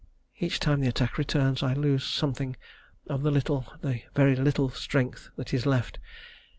Each time the attack returns I lose something of the little, the very little strength that is left.